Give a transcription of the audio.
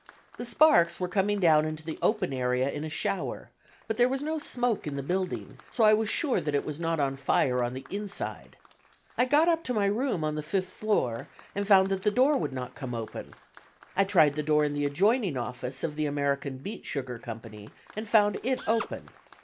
The sparks were coming down into the open area in a shower, but there was no smoke in the building, so I was sure that it was not on fire on the inside. I got up to my room on the fifth floor and found the door would not come open. I tried the door in the adjoining office of the American Beet Sugar Company and found it open.